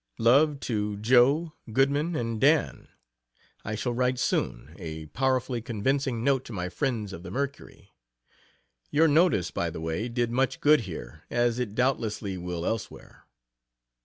Love to Jo. Goodman and Dan. I shall write soon, a powerfully convincing note to my friends of "The Mercury." Your notice, by the way, did much good here, as it doubtlessly will elsewhere.